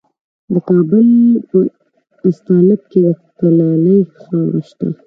د کابل په استالف کې د کلالي خاوره شته.